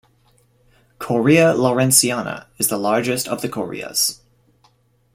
Correa lawrenceana is the largest of the correas.